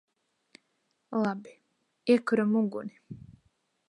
Labi. Iekuram uguni!